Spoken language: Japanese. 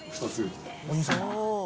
お兄さん。